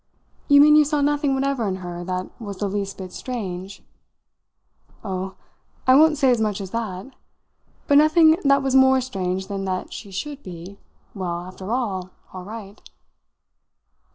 "You mean you saw nothing whatever in her that was the least bit strange?" "Oh, I won't say as much as that. But nothing that was more strange than that she should be well, after all, all right."